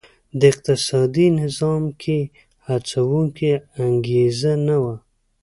د اقتصادي نظام کې هڅوونکې انګېزه نه وه.